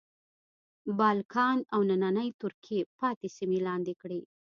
بالکان او نننۍ ترکیې پاتې سیمې لاندې کړې.